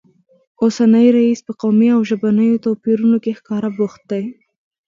اوسنی رییس په قومي او ژبنیو توپیرونو کې ښکاره بوخت دی